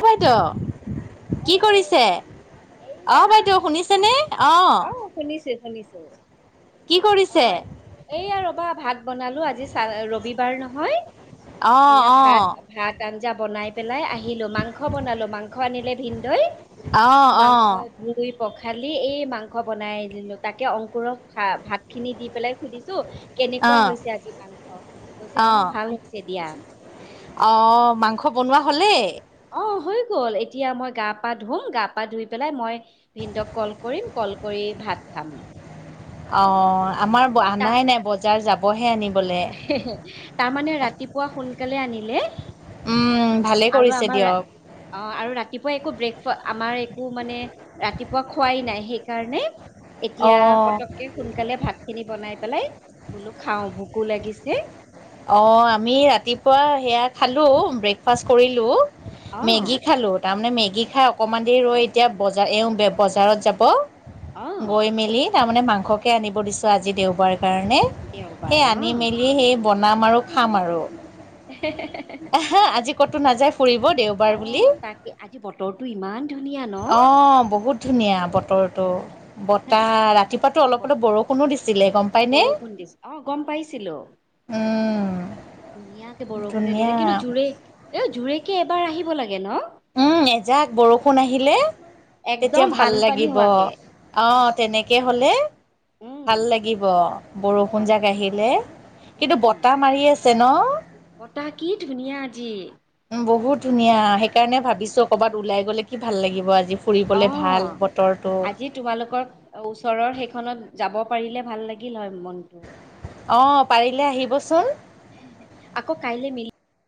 হয়টো। কি হেল্ল' কৰিছে অহ বাইদেউ শুনিছেনে অহ? অ' শুনিছো শুনিছো। কি কৰিছে অ' এইয়া ৰবা ভাত বনালো আজি চা ৰবিবাৰ নহয়। অ এয়া অ ভাত ভাত আঞ্জা বনায়। পেলাই আহিলো। মাংস বনালো মাংস আনিলে ভিনদৈ অ অ মাংস ধুই পখালি এই মাংস বনাই দিলোঁ। তাকে অংকুৰকা ভাতখিনি দি পেলাই। সুধিছো অ কেনেকুৱা হৈছে আজি মাংস কৈছে অ আহ ভাল হৈছে দিয়া। অ' মাংস বনোৱা হলেই অ' হৈ গ'ল এতিয়া মই গা পা ধুম গা পা ধুই পেলাই মই ভিনদক কল কৰিম কল কৰি ভাত খাম। অ' আমাৰ তা আনাই নাই বজাৰ যাবহে আনিব। তাৰমানে ৰাতিপুৱা সোনকালে আনিলে। উমম আৰু আমাৰ অ' আৰু ৰাতিপুৱা একো ব্ৰেকফা আমাৰ একো মানে ৰাতি খোৱাই নাই সেইকাৰণে এতিয়া অঁ পতককে সোনকালে ভাত খিনি বনায়। পেলাই বোলো খাও ভোকো লাগিছে। অ' আমি ৰাতিপুৱা সেয়া খালো ব্ৰেকফাষ্ট কৰিলো। অ মেগি খালো তাৰ মানে মেগ। বাগি খাই অকণমান দেৰি ৰৈ এতিয়া বজাৰ এওঁ বজাৰত অ যাব। গৈ মেলি তাৰমানে মাংসকে আনিব দিছো আজি দেওবাৰে। সেই কাৰণে দেওবাৰ সেই অ আনি মেলি সেই বনাম আৰু খাম আৰু এহে আজি কতো নাযায় ফুৰিব দেওবাৰ অ বুলি তাকে আজি বতৰটো ইমান ধুনীয়া ন অ' বহুত ধুনীয়া বতৰটো। বতাহ ৰাতিপুৱাতো অলপ অলপ বত- বৰষুণো দিছিলে গম পাইনে। বৰষুণ দিছে অ গম পাইছিলো উম, ধুনীয়াকে বৰষুণে ধুনীয়া দিলে কিন্তু জোৰে এ জোৰেকে এবাৰ আহিব। লাগে নহ উম এজাক বৰষুণ আহিলে। তেতিয়া একদম ভাল বানপানী লাগিব হোৱাকে আহ তেনেকে হ'লে উম ভাল লাগিব বৰষুণ জাক বানপানী আহিলে হোৱাতকে কিন্তু উম বতাহ মাৰি আছে ন বতাহ কি ধুনীয়া আজি। উ বহুত ধুনীয়া সেইকাৰণে ভাবিছো। কৰ'বাত ওলাই গ'লে কি ভাল লাগিব। আজি ফুৰিবলে ভাল অ' বতৰটো আজি তোমালোকৰ ওচৰৰ সেইখনত। যাব পাৰিলে ভাল লাগিল হয় মনটো। অহহ পাৰিলে আহিবচোন। আকৌ কাইলে মিলি